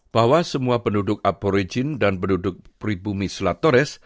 bahwa semua penduduk aborigin dan penduduk pribumi selatores